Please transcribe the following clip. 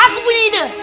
aku punya ide